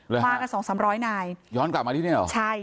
มากันสองสามร้อยนายย้อนกลับมาที่นี่เหรอใช่